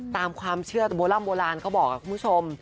ตามความเชื่อโบราณก็บอกคุณผู้ชม